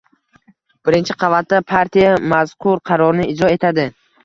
Birinchi qavatda partiya mazqur qarorni ijro etadi.